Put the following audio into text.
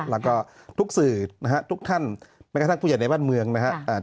แล้วก็ทุกสื่อนะฮะทุกท่านแม้กระทั่งผู้ใหญ่ในบ้านเมืองนะครับ